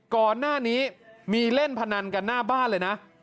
ก่อนหน้านี้มีเล่นพนันกันหน้าบ้านเลยนะ